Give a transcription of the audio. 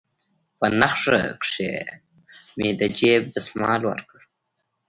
په نخښه كښې مې د جيب دسمال وركړ.